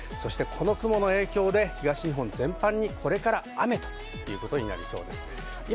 この雲の影響で東日本全般にこれから雨になりそうです。